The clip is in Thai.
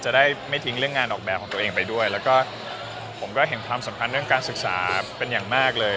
จะได้ไม่ทิ้งเรื่องงานออกแบบของตัวเองไปด้วยแล้วก็ผมก็เห็นความสัมพันธ์เรื่องการศึกษาเป็นอย่างมากเลย